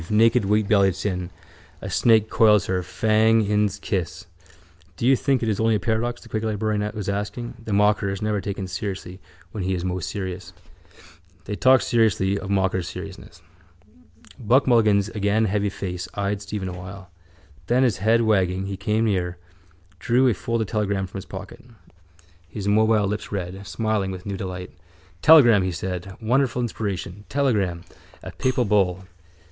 Naked wheatbellied sin. A snake coils her, fang in's kiss. —Do you think it is only a paradox? the quaker librarian was asking. The mocker is never taken seriously when he is most serious. They talked seriously of mocker's seriousness. Buck Mulligan's again heavy face eyed Stephen awhile. Then, his head wagging, he came near, drew a folded telegram from his pocket. His mobile lips read, smiling with new delight. —Telegram! he said. Wonderful inspiration! Telegram! A papal bull!